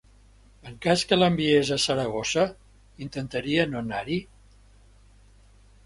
En cas que l'enviés a Saragossa, intentaria no anar-hi?